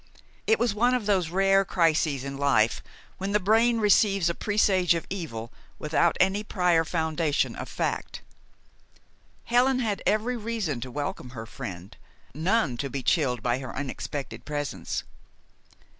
It was one of those rare crises in life when the brain receives a presage of evil without any prior foundation of fact. Helen had every reason to welcome her friend, none to be chilled by her unexpected presence.